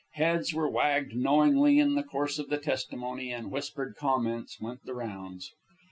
Heads were wagged knowingly in the course of the testimony, and whispered comments went the rounds.